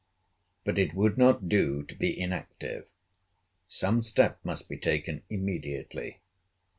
But it would not do to be inactive. Some step must be taken immediately.